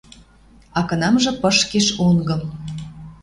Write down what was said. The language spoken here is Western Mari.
А кынамжы пышкеш онгым —